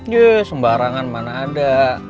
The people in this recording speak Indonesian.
ye sembarangan mana ada